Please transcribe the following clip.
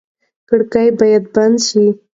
کړکۍ باید بنده شي.